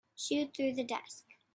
Shoot through the desk.